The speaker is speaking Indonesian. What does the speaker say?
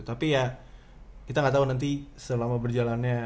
tapi ya kita gak tau nanti selama berjalannya